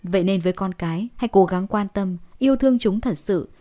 vậy nên với con cái hãy cố gắng quan tâm yêu thương chúng thật sự